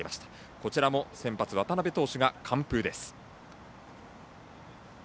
こちらも先発、渡邊投手が完封。